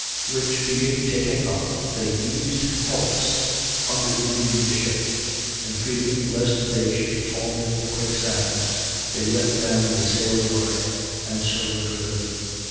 27:17. Which being taken up, they used helps, undergirding the ship: and fearing lest they should fall into the quicksands, they let down the sail yard and so were driven.